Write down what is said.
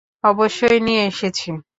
অবশ্যই নিয়ে এসেছি।